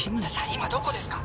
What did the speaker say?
今どこですか？